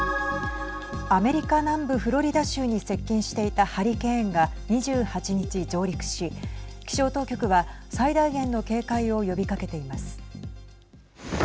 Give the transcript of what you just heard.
アメリカ南部フロリダ州に接近していたハリケーンが２８日、上陸し気象当局は最大限の警戒を呼びかけています。